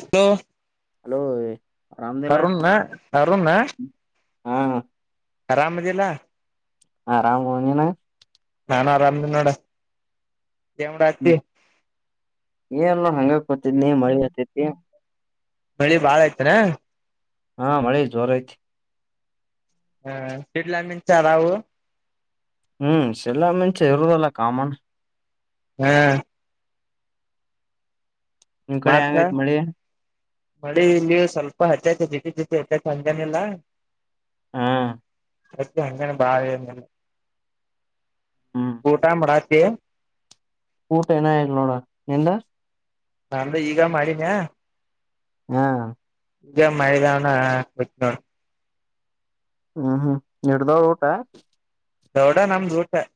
Hello hello ಆರಾಮದಿಲ್ಲ ಅರುಣ್ಣ ಅರುಣ ಹಾ ಆರಾಮದಿಲ್ಲ ಹಾ ರಾಮ್ ಭವನಿಯನ ನ್ ಆರಾಮ ನಿನ್ನೋಡ ಹ್ಮ್ ಏನಲ್ಲ ಹಂಗ ಕತಿದ್ನಿ ಮಳಿ ಆತತಿ [unintelligible] ಮಳಿ ಬಾಳ ಆಯ್ತನಾ ಹಾ ಮಳೆ ಜೋರ್ ಐತಿ ಹ್ಮ ಸಿಡ್ಲ ಮ ಚಾರವು [unintelligible] ಹ್ಮ್ ಸಲ್ಲಾಮಚ [unintelligible] ಇರುದಲ್ಲ ಕಾಮನ್ ಹ್ಮ್ ನಿಮ್ ಕಡೆ ಮತ್ತ ಹೆಂಗೈತ್ ಮಳಿ ಮಳಿ ಇಲ್ಲಿಯ ಸ್ವಲ್ಪ ಹಚ್ಚೈತಿ ಜಿತಿ ಜಿತಿ ಹೆಚ್ಚೈತಿ ಹಂಗನಿಲ್ಲ ಹಾ ಅತ್ತ ಅಂಗ ಭಾವಂದ ಹ್ಮ್ ಗೋಟ ಮರತೆ [unintelligible] ಊಟ ಎನ ಆರ ನೋಡ ಎಂದ ನಾನ ಈಗ ಮಾಡಿನಯ ಹಾ ಈಗ ಮೈಗಾವನ ಬತ್ ನೋಡಿ ಹ್ಮ್ ಹ್ಮ್ ನಿಡದವ ಊಟಾ ದೌಡ ನಮ್ದು ಊಟ [unintelligible]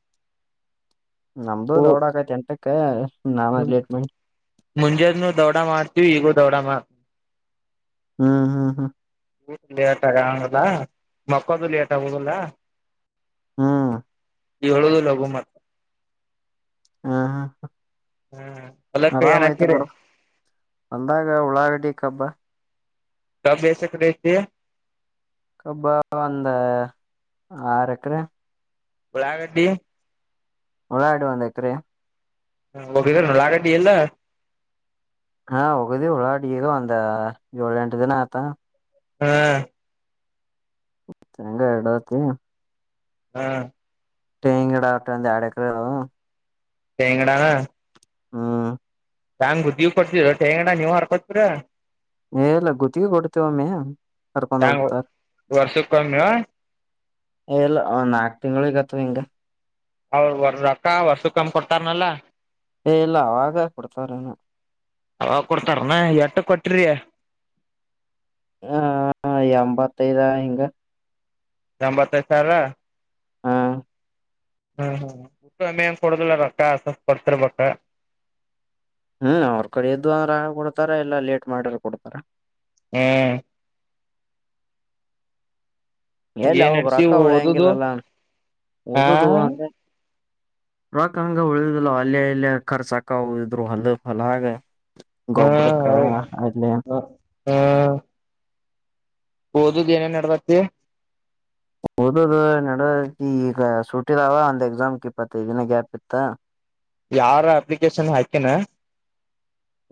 ನಮ್ದು ಓ ದೊಡ್ಡ ಆಕೈತಿ ಎಂಟಕ್ಕ ನಾವ ಲೇಟ್ ಮಾಡ ಮುಂಜಾದ್ನು ದೌಡ ಮಾಡ್ತವಿ ಈಗೂ ದೌಡ ಮಾಡ ಹ್ಮ್ ಹಾ್ ಹಾ ಲೇಟಲ್ಲಾ ಮತ್ತೊಂದು ಲೇಟದುಲ್ಲ ಹ್ಮ ಈ ಹೇಳುದು ಲಘು ಮತ್ ಹ್ಮ್ ಹೊಲಕ್ಕ ಏನ್ ಆರಾಮಯ್ತು ಹಾಕಿರಿ ಬಿಡು ಅಂದಾಗ ಉಳಾಗಡಿ ಕಬ್ಬಾ ಕಬ್ಬು ಎಸ್ ಎಕರೆ ಐತಿ ಕಬ್ಬಾ ಒಂದು ಆರು ಎಕರೆ ಊಳಾಗಡ್ಡಿ ಉಳಾಗಡ್ಡಿ ಒಂದ್ ಎಕರೆ ಹ ಹೋಗ ಉಳಾಗಡ್ಡಿ ಎಲ್ಲಾ ಹಾ ಹೋಗುದಿ ಉಳಾಗಡ್ಡಿ ಒಂದಾ ಏಳ ಎಂಟು ದಿನ ಆತ ಹ ಹೆಂಗ ಎರಡುತಿ ಹ್ಮ ತೆಂಗಿನಗಿಡ ಮಾಡ್ಕೊಂಡ್ ಆರೆ ಎಕರೆ ತೆಂಗಿಡನ ಹ್ಮ್ ತಾಂಗ್ ಬುದ್ದಿವ್ ಕೊಡ್ತೀರ ರ ಹ ತೆಂಗಿಡ ನೀವರೂ ಕೊಟ್ಯಾ ನೀವೆಲ್ಲ ಗುತ್ತಿಗೆ ಕೊಡ್ತೀವನಿ ಕರ್ಕೊಂಡ ಹೆಂಗ ಹೋಗ್ತಾರೆ. ವರ್ಷಕ್ಕೊಮ್ಮೆ ಎಲ್ಲ ಹ ನಾಕು ತಿಂಗಳುಗತ್ತು ಹಂಗೆ ಅವ್ರ ವರ್ ವರ್ಷ ಕಮ್ಮ್ ಕೊಡ್ತಾರನಲ್ಲ ಏ ಇಲ್ಲ ಅವಾಗ ಕೊಡ್ತಾರೇನ ಅ ಕೊಡ್ತಾರನ ಎಟ್ಟು ಕೊಟ್ಟ್ರೀ ಹ ಹ ಎಂಬತ್ತೈದ ಹಿಂಗ ಎಂಬತ್ತೈದು ಸಾವಿರ ಹ ಹ್ಮ್ ಹ್ಮ ಊಟ್ಟಮ್ಮೆಂಗ ಕೊಡುದಿಲ್ಲ ರೊಕ್ಕ ಕೊಡ್ತೀರಬೇಕ ಬಕ್ಕ ಹ್ಮ್ ಅವ್ರ ಕಡೆ ಎದ್ದು ಅಂದ್ರ ಆ ಕೊಡ್ತಾರ ಎಲ್ಲಾ ಲೇಟ್ ಮಾಡಿದ್ರೂ ಕೊಡ್ತಾರ ಹೆ ಎಲ್ಲಿ ಏನ್ ಅವಾಗ ನಡ್ಸಿ ರೊಕ್ಕಾ ಹೂಳಿ ಓದುದು ಹಂಗಿಲ್ಲಲ್ಲ ಹಾ ಉದದು ಹೂ ರೊಕ್ ಹಂಗ ಉಳಿವುದಿಲ್ಲ ಅಲ್ಲೆ ಇಲ್ಲೆ ಕರ್ ಸಾಕ ಹೋದಿದ್ರು ಅಲ್ಲ ಫಲ ಹಾಗ ಹಾ ಗೊಬ್ಬರಕಾ ಅಲ್ಲೆ ಓದು ಏನೇನ್ ನಡದತಿ [unintelligible] ಓದದಿ ನಡತಿ ಈಗ ಸುಟ್ಟಿರಾವ ಒಂದ್ ಎಕ್ಸಾಮ್ ಇಪ್ಪತ್ತೈದು ದಿನ ಗ್ಯಾಪ್ ಇತ್ತ ಯಾರ ಅಪ್ಲಿಕೇಶನ್ ಹಾಕೆನ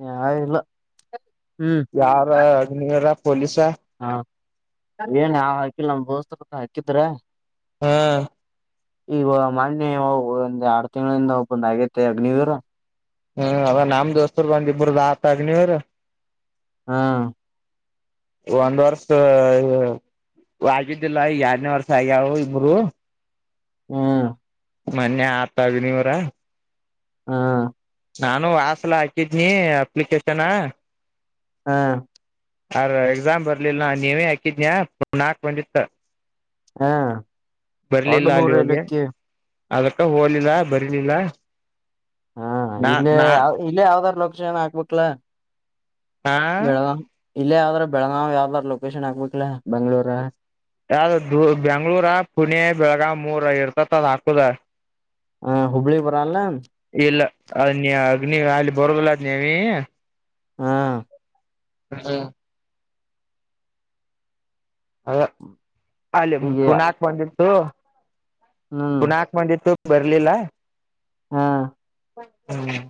ಯಾರಿಲ್ಲ ಯಾರ ಅಗ್ನಿಯರ ಪೊಲೀಸ ಹಾ ಏನ್ ಆ ಹಾಕಿಲ್ಲ ನಮ್ ದೋಸ್ ಹತ್ರ ಹಾಕಿದ್ರ ಹಾ ಇವ ಮೊನ್ನಿ ಒಂದ್ ಆರು ತಿಂಗಳಿಂದ ಒಪನ್ ಆಗೇತೆ ಅಗ್ನಿವರ ಹ್ಮ್ ಅದ ನಮ್ ದೋಸ್ತರು ಒಂದ್ ಇಬ್ಬರದ್ದ್ ಹಾಕನೀರ್ ಹಾ ಒಂದು ವರ್ಷದ್ ವಾಗಿದ್ದಿಲ್ಲ ಈಗ ಎರಡನೇ ವರ್ಷ ಆಗ್ಯಾವ ಇಬ್ಬರು ಹ್ಮ್ ಮೊನ್ನೆ ಆಗತನೀವರ ಹಾ ನಾನು ವಾಸುನ ಹಾಕಿದ್ದೀನಿ ಅಪ್ಲಿಕೇಶನ ಹಾ ಅರ ಎಕ್ಸಾಮ್ ಬರ್ಲಿಲ್ಲ ನ ನೀವೇ ಹಾಕಿದಿಯ ನಾಲ್ಕು ಬಂದಿತ್ತ ಹ್ಮ್ ದೊಡ್ಡ ಬರ್ಲಿಲ್ಲ ದೂರ ಅಲ್ಲಿ ಹೋಗೆ ಇಲಕ್ಕಿ ಅದಕ್ಕ ಹೋಗಲಿಲ್ಲ ಬರ್ಲಿಲ್ಲ ಹಾ ನಾ ಇಲ್ಲ ನಾ ಯ ಇಲ್ಲೇ ಯಾವ್ದಾರ ಲೊಕೇಶನ್ ಹಾಕ್ಬೇಕಕ್ಲ ಹಾ ಇಲ್ಲೇ ಯಾವ್ದ್ರ ಬೆಳಗ್ಗಾವ್ ಯಾವ್ದಾರ ಲೊಕೇಶನ್ ಆಗ್ಬೇಕಲ ಬೆಂಗ್ಳೂರ ಯಾವ ಬೆಂಗ್ಳೂರ ಪುಣೆ ಬೆಳಗಾವ ಮೂರ ಇರ್ತತ್ ಅದ ಹಾಕುದ ಹ ಹುಬ್ಬಳಿಗ್ ಬರಲ್ಲ ಇಲ್ಲ ಅದ ನೀ ಅಗ್ ನೀ ಅಲ್ಲಿ ಬರ್ಗಲಾದ್ ನೀವಿ ಹಾ ಹ ಅ ಅಲ್ಲಿ ಈಗ ಪುನಾಕ್ ಬಂದಿತ್ತು ಹ್ಮ್ ಪುನಾಕ್ ಬಂದಿತ್ತು ಬರ್ಲಲ ಹಾ ಹ್ಮ್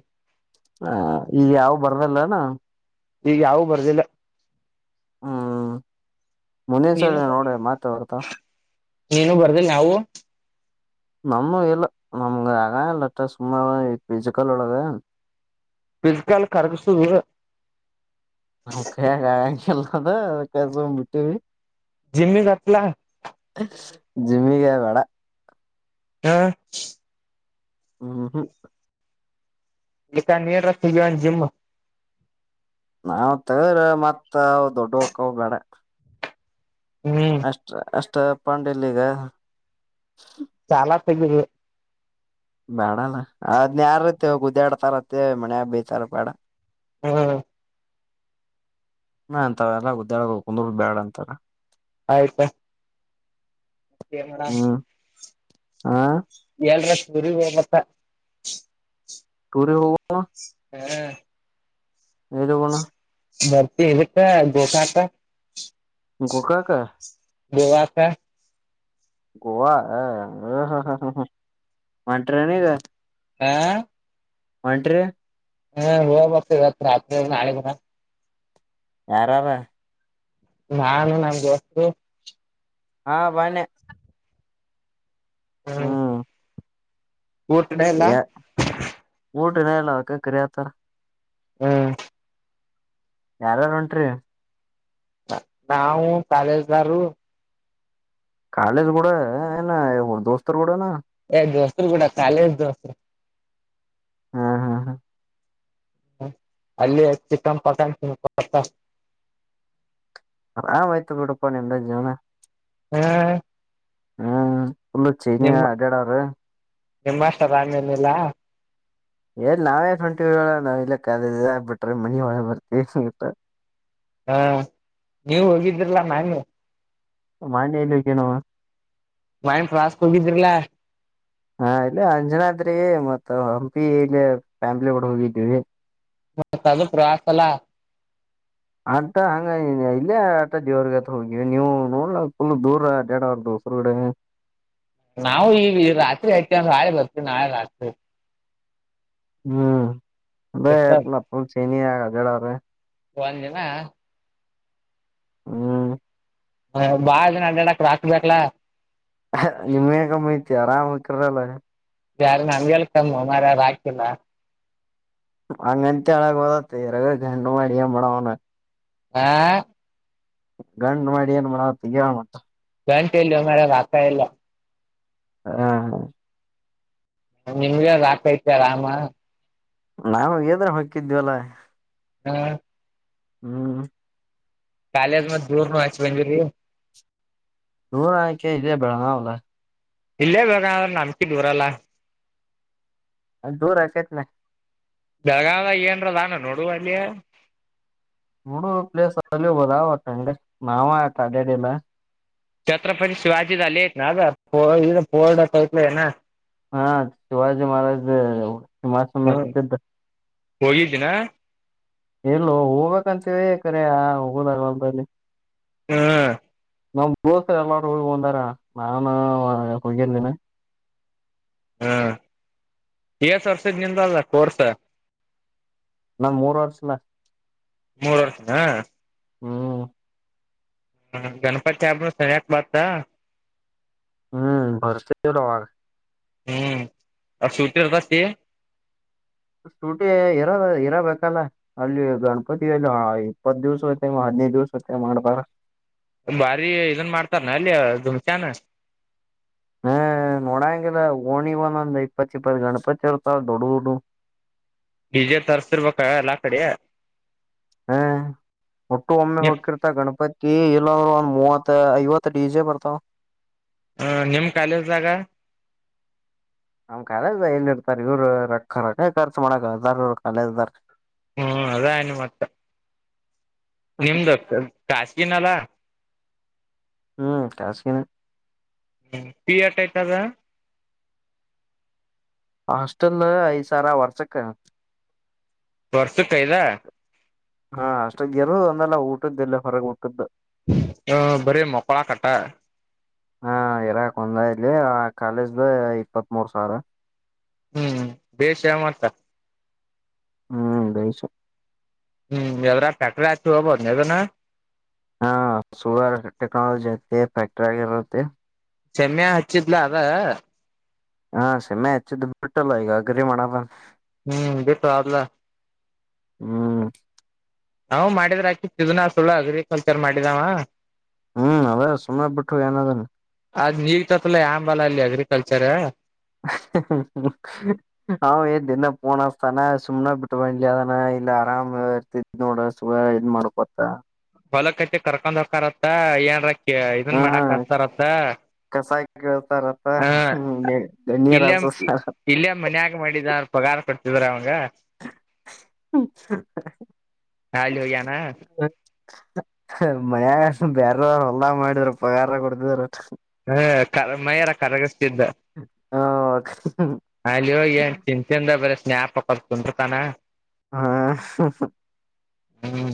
ಹ ಈಗ ಯಾವ ಬರ್ದಲ್ಲನ ಈಗ ಯಾವು ಬರ್ದಿಲ್ಲ ಹ್ಮ್ ಮುಂದಿನ ಸಲ ನೀನು ನೋಡ ಮಾತ್ರ ಆತ್ತಾ ನೀನು ಬರ್ದಿಲ್ಲ ಯಾವವು ನಮ್ಮ ಇಲ್ಲ ನಮ್ಗೆ ಅಗಾ ಇಲ್ಲಟ ಸುಮ್ಮ ಪಿಜುಿಕಲ್ಳಗ ಬಲ್ಕಲ್ ಕರ್ಗಸ ನಲ್ಲದದ ಕೆಸಕ್ ಬಿಟ್ಟೇವಿ ಜಿಮನೆ ಜತ್ಲ ಜಿಮ್ಮಿಗೆ ಬೇಡ ಹಾ ಹ್ಮ್ ಹ್ಮ ಹ್ಮ್ ಇಕ್ಕಾ ನೀ ಜಿಮ ನಾವ ತವ್ರ ಮತ್ ಅವ ದೊಡ್ಡ ಹಕ್ಕವ ಬ್ಯಾಡ ಹ್ಮ್ ಅಷ್ಟ ಅಷ್ಟ ಪಂಡಲ್ಲಿಗ ಚಾಲಾ ತೆಗದು ಬೇಡಲ್ಲ ಅದ್ನ್ ಯಾರ ಐತಿ ಕುದ್ಯಾಡ್ ತರತ್ತ ಮಣಬಿ ತರ ಬೇಡ ಹ್ಮ ಹಾ ಅಂತ ಎಲ್ಲ ಗುದ್ದ್ಯಾಡೋಗ ಕುಂದ ಬ್ಯಾಡ ಅಂತಾರ ಆಯ್ತಾ ಅೇ ಮೇಡ ಹಾ ಎಲ್ರಷ್ಟ ರಿ ಮತ್ತ ತೂರ ಹೋಗ ಹಾ ದು ಬಣ ಬರ್ತ ಇಕ್ಕ ಗೋಟ ಆಕ್ಕ ಕ ಕ ಕ ಗೋವಾಕ ಗವಾ ಹ ಹ್ ಹಾ ಹಾ ಹ ಹ ಹ ಒಂನ್ರಿೀ ಹಾ ಹ ಬತ ರ ರತ್ರಿ ಆಣ ಯಾರಾರ ನಾನು ನಮಗೆ ಹೊಸ್ು ಹಾ ಬನೆ ಹಾ ಊಟಡೆ ಎಲ್ಲ ಪ್ರನಲ್ಲ ಅ ಕರಯಾತ್ತ ಹ್ಮ್ ಯಾರಾರು ಉಂಟ್ರಿ ನಾವು ಕಾಲೇಜ್ದಾರರು ಕಾಲೇಜ್ ಕೂಡ ಏನವರು ದೋಸ್ತರು ಕೂಡನಾ ಏ ದೋಸ್ತರು ಕೂಡ ಕಾಲೇಜ್ ದೋಸ್ರು ಹ್ಮ್ ಹ್ಮ್ ಹಾ ಅಲ್ಲಿ ಚಿಕನ್ ಪಕನ್ ಚತ್ತ ವಯ್ತ ಕೂಡ ಪಣೆಂತಜಣ ಹಾ ಹ್ಮ್ ಪುಲ್ಲುಚ್ಚಿ ನೀ ಎೇಡಾವರು ನಿಮ್ಮ ಅಷ್ಟ ಬಾಮೇನಿಲ್ಲ ಏಲ್ ನಾವೇ ಂಟಿ ನಾವ್ ಇಲ್ಲ ಕ ಬಿಟ್ರಿ ಮನಿ ಒಳ ಬರ್ತೀವಿ ಹಾ ನೀವ ಹೋಗಿದ್ರಲ್ಲ ನಾನು ಮಾನ್ಯ ಇಲ್ಲಿಕ್ಕೆನವ ಮೈನ್ ಫ್ರಾಸ್ಕ್ ಹೋಗಿದ್ರಲಾ ಹಾ ಇಲ್ಲ ಅಂಜನ ಅದ್ರೆ ಮತ್ತ ಹಂಪಿ ಇಲ್ಲಿ ಫ್ಯಾಮಿಲಿ ಡ ಹೋಗಿದೀವಿ ಮತ್ತದು ಪ್ರಾಸಲ್ಲಾ ಅಟ ಹಂಗ ಇಲ್ಲೇ ಆಟ ದವ್ರಗತ್ತ ಹೋಗಿ ನೀವು ನೋಡ್ಲ ಕುುಲ್ ದೂರ ಡೇಡ ಅವ್ರ ದೂ ಸಗಡೆ ನಾವು ಈ ರಾತ್ರಿ ಹೇತ್ರ ರಾಳಿ ಬರ್ತೀವಿ ನಾಳೆ ರಾತ್ರಿ ಹ್ಮ್ ಅೇ ಎತ್ನಫು ಚೆನ ಆಡ ಅವೆ ಒಂದಿನ ಹ್ಮ್ ಬಾಳ ಜನ ಅಡ್ಯಾಡಕ್ ಹಾಕ್ಬೇಕಕ್ಲಾ ನಿಮ್ಮೇ ಕಮ್ಮ ಐತಿ ಆರಾಮ್ ಹಕ್ಕ್ರಲ್ಲ ಯಾರ ನಮಗೆಳ್ ಕಮ್ಮ ಅರ ಯಾರ ರಾಕಿಲ್ಲ ಅಂಗಿತ ಅಳಾಗೋದಾ ತರಗ ಗಂಡು ಮಾಡ ಅಡಿಯ ಮಾಡಡಣ ಆ ಗಂಡ ಮಾಡಡಿಯ ಮಾವತ ಯ ಮತ ಗಂಟ ಇಲ್ಲಿ ಮರಾಗ ಆಗ್ತಾ ಎಲ್ಲ ಹ ಹಾ ನಿಮ್ಗೆ ರಾಕ್ತ ರಾಮ ನಾವು ದ್ರ ಹಾಕಿದ್ವಲ್ಲ ಹಾ ಹ್ಮ್ ಕಾಾಲೇಜ ಮ ದೂರ ನ ಹಚಿ ಬಂಜ ರ ನೂರ ಆಯ್ಕೆ ಇದೆ ಬೇಡ ಹಲ್ಲ ಇಲ್ಲೇ ಬಾಗ ಆದ್ರ ನಂಬಕಿ ದೂರಲ್ಲ ದೂರ ಕತನೆ ಬೆಳಗಾವದ ಏನ್ರದಾನ ನೋಡುವ ಅಲ್ಲಿಯ ಮೂಡು ಪ್ಲೇಸ್ ಅಲ್ಲ ಬಾವ ಕಗೆ ನಾವ ಆ ಕಾಡೆೇಡೆ ಛತ್ರಪತಿ ಶಿವಾಜಿದಲ್ಲಿ ಅದದು ಪೋರ್ಡ ಇಲ ಹಾ ಶಿವಾಜಿ ಮಹಾರಾಜ್ ಹಿಮಾಸಮ ಕತಿದ್ದ ಹೋಗಿದ್ದಿನ ಎಲ್ಲ ಹೋಗ್ಬೇಕಂತವಿಕರೆ ಆ ಹೋಗದಾಗ ಹಬಲ್ಲಿ ಹ್ಮ ನಮ ಬೋಸ ಎಲ್ಲಾರೂ ಹ ಒಂದಾರ ನಾನು ಹೋಗಿರ್ದೀನ ಹಾ ಕಸ್ ವರ್ಸಿದ್ ನಿಂದಲ್ಲ ಕೋರ್ಸ ನನ್ ಮೂರ್ ವರ್ಷನ ಮೂರ್ ವರ್ಷ ಹ್ಮ್ ಹ ಗಣಪತಿ ಸಾಬ್ ನ ಸರಿಯಕ್ ಬಾ ಹ್ಮ್ ಭರ್ತರುವಾಗ ಹ್ಮ್ ಅ ಸೂತದತಿ ಸೂಟಿ ಇರ ಇರಬೇಕಲ್ಲ ಅಲ್ಲಿ ಗಣಪತಿಿಯಲ್ಲಿ ಇಪ್ಪತ್ ದಿವ್ಸ ಆಯ್ತ ಎನ್ನ ದಿವ ಸತ್ಯ ಮಾಡ್ಬಾರ ಬಾರಿ ಇದನ್ ಮಾಡ್ತಾರನ ಅಲ್ಲಿದುಮ ಚಾನ ಹ ನೋಡಂಗಿಲ್ಲ ಓಣಿ ಒಂದೊಂದ್ ಇಪ್ಪತ್ ಇಪ್ಪತ್ತು ಗಣಪತಿ ಅರ್ತ ದೊಡ್ಡಡು ಡಿಜೆ ತರ್ಸ್ತಿಿರ್ಬೇಕ ಎಲ್ಲಾ ಕಡೆ ಹ್ಮ ಒಟ್ಟು ಒಮ್ಮೆ ನಿಮ್ ಹೋಗಕಿರ್ತ ಗಣಪತಿ ಈ ಇಲ್ಲಂದ್ರ ಒಂದ್ ಮೂವತ್ ಐವತ್ ಡಿಜೆ ಬರ್ತಾವ ಹ ನಿಮ್ ಕಾಲೇಜ್ದಾಗ ಆಮ್ ಕಾಲೇದ ಏನ್ ಇರ್ತಾರ ಇವ್ರು ರೊಕ್ಕ ರ ಖರ್ಚು ಮಾಡಕದಾರರು ಕಖಾಲೇದ್ದಾರ ಹ್ಮ್ ಅದಾಯನು ಮತ್ತ ನಿಮ್ದು ಖಶಗೀಿನಲ ಹ್ಮ್ ಕಾಸಗಿನ ಹ್ಮ್ ೀ ಆಟ ಟದ ಹಾಸ್ಟೆಲ್ ಐದು ಸರ ವರ್ಷಕ್ಕೆ ವರ್ಷಕ್ಕೈದಾ ಹಾ ಅಷ್ಟ ಗೆರು ಒಂದಲ್ಲ ಊಟದ್ದ ಎಲ್ಲ ಹೊರಗ್ ಊಟದ್ದು ಹ ಬರಿ ಮಕಳ ಕಟಾ ಹಾ ಇರಾಕ್ ಒಂದ ಇಲಿ ಆ ಕಾಲೇಜ್ದ ಇಪ್ಪತ್ತ್ ಮೂರ್ ಸಾವಿರ ಹ್ಮ್ ಬೇೇಶ ಮತ್ತ ಹ್ಮ ಉದೈಷ ಹ್ಮ್ ಎಲ್ಲರ ಫ್ಯಾಕ್ಟ್ರ ಆತ ಅಬಂದದನ ಹಾ ಸುಗರ್ ಟೆಕ್ನಾಲಜಿ ಐೆ ಫ್ಯಾಕ್ಟ್ರ ಆಗಿರುತ್ತೆ ಚಮ್ಯಾ ಹಚ್ಚಿದ್ಲ ಅದ ಹಾ ಸಮ್ಮೆ ಹೆಚ್ಚಿದ್ದ್ ಬಿಟ್ಟಲ್ಲ ಈಗಗ್ರೀ ಮಾಡಣಪ ಹ್ಮ್ ಬಿೇಕು ಅಲ ಹ್ಮ್ ನ ಮಾಡಿದ್ರ ಆಕಿ ಸಿದನಾ ಸುಳ್ಳು ಅಗ್ರಿಕಲ್ಚರ್ ಮಾಡಿದಾವ ಹ್ಮ್ ಅವದೇ ಸುಮನೆ ಬಿಟ್ಟು ಏನದನ್ ಅದ್ ನೀರ್ತತ್ಲ್ಲ ಯಂಬಲ್ಲ ಅಲ್ಲಿ ಅಗ್ರಿಕಲ್ಚರ್ ಅವ ಏ ದಿನ ಪೋನತಾನೆ ಸುಮನೆ ಬಿಟ್ಟ ಬಾನ ಇಲ್ಲ ಆರಾಮ್ ಇರ್ತ್ ನೋಡ ಸು ಇದನ್ ಮಾಡ್ಕೊತ್ತ ಹೊಲಕ್ ಕಚ್ಚಿ ಕರ್ಕೊಂಡ್ ಹಕಾರತ್ತ ಏನ್ರಕ್ಕ ಇದನ್ ಹಾ ಮಾಡಕ್ ಹಸ್ತಾರತ್ತ ಕಸ ಕೇಳ್ತಾರತ್ತ ಹ ನೀರ್ ಇಲ್ಲೇ ಹಸಸ್ತಾರ ಇಲ್ಲೇ ಮನ್ಯಾಗ ಮಾಡಿದ ಅವ್ರರು ಪಗಾರ ಕೊಡ್ತ ಇಧರ ಆಂಗ ಹಾಲಿ ಹಗಾನ ಮನ್ಯಾಗ ಬೇರೆ ಹೊಲ್ಲಾ ಮಾಡಿದ್ರರು ಪಗಾರ ಕೊಡ್ತಿದ್ರ ಹ ಮಾರ ಕರ ಅಲ್ಲಿ ಹೋಗಿಏನ್ ಚನ್ ಚಿಂದ ಬರೆಸ್ತ ಜಞಾಪಕ ತುಂಟತಾನ ಹಾ ಹ್ಮ್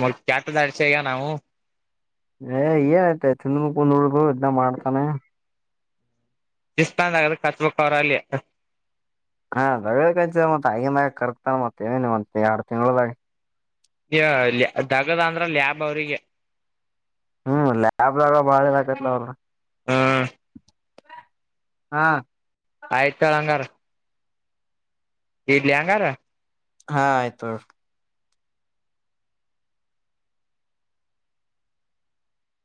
ಮ ಚಟ ದಚಗ ನಾವು ಏ ಏ ಆಯ್ತಾ ತಿಿಂದ ಕುಂದ ಉಳ್ಗು ಇದನ್ನ ಮಾಡ್ತಾನೆ ಇಿಸ್ತಾನ್ ಆಗ ಕತ್ಬೇಕ ಹೊರಲ್ಲಿ ಹಾ ದ ಕಚ ಮತ್ತತ್ ಆಗಿಂದಾಗ ಕರ್ತಾನ ಮತ್ತೇವ ನಿ ಮ ಎರಡ್ ತಿಂಗಗಳಳದಾಗ ದಗದ ಅಂದ್ರ ಲ್ಯಾಬ್ ಅವ್ರಿಗೆ ಹ್ಮ್ ಲ್ಯಾಬ್ ದಾಗ ಬಾಳದಕತ್ಲ ಅವ್ರರು ಹ್ಮ. ಹಾ ಆಯ್ತಾಳ ಹಂಗಾರ. ಇಡ್ಲಿ ಅಂಗಾರ. ಹಾಯತ.